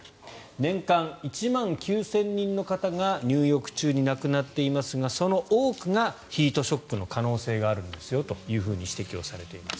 年間１万９０００人の方が入浴中に亡くなっていますがその多くがヒートショックの可能性があるんですよと指摘されています。